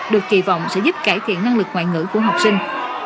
được kỳ vọng sẽ giúp cải thiện năng lực ngoại ngữ của học sinh